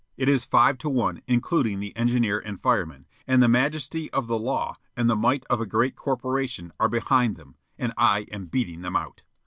It is five to one, including the engineer and fireman, and the majesty of the law and the might of a great corporation are behind them, and I am beating them out.